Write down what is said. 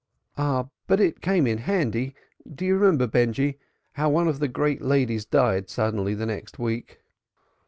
"Ah, but it came in handy don't you remember, Benjy, how one of the Great Ladies died suddenly the next week!"